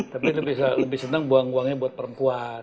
tapi lebih senang buang buangnya buat perempuan